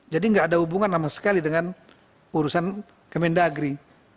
jadi nggak ada hubungan sama sekali dengan urusan kementerian agri